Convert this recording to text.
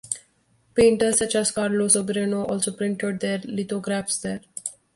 Painters such as Carlos Sobrino also printed their lithographs there.